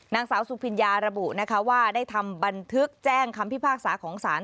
นางสาวสุพิญญาระบุนะคะว่าได้ทำบันทึกแจ้งคำพิพากษาของศาล